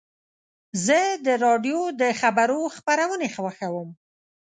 زه د راډیو د خبرو خپرونې خوښوم.